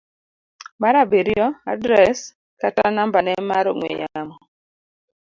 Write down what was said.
mar abiriyo. Adres kata nambane mar ong'we yamo